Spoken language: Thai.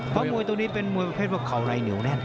เพราะมวยตัวนี้เป็นมวยประเภทว่าเข่าไรเหนียวแน่น